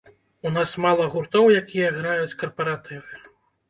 У нас мала гуртоў, якія граюць карпаратывы.